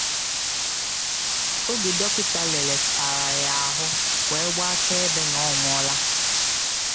oge dọkịta lelechaara ya ahụ wee gbaa akaebe na ọ nwụọla.